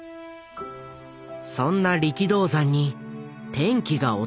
そんな力道山に転機が訪れる。